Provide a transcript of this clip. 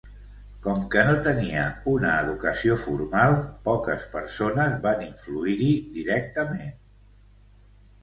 Com que no tenia una educació formal, poques persones van influir-hi directament.